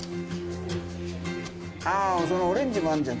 あぁそのオレンジもあるじゃん